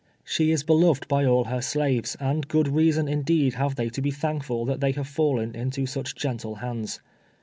She is beloved by all her slaves, and good reason indeed have they to be thankful that they have fallen into such o entle hands.